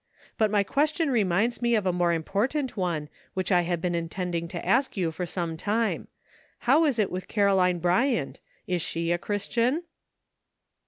But my question reminds me of a more important one which I have been intending to ask for some time, How is it with Caroline Bryant, is she a Christian?